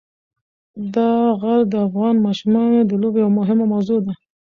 دا غر د افغان ماشومانو د لوبو یوه مهمه موضوع ده.